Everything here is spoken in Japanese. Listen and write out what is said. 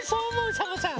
サボさん。